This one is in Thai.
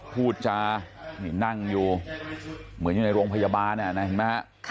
พูดจานี่นั่งอยู่เหมือนอยู่ในโรงพยาบาลนะเห็นไหมฮะ